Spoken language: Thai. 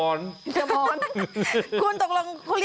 คุณตกลงเขาเรียกชื่ออะไร